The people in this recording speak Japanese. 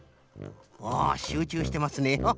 おしゅうちゅうしてますね。ハハッ。